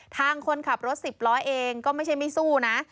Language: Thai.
คนขับรถ๑๐ล้อเองก็ไม่ใช่ไม่สู้นะ